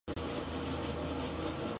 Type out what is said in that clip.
すっかり日が落ちた。